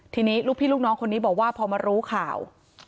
ทีนี้ลูกพี่ลูกน้องคนนี้บอกว่าพอมารู้ข่าว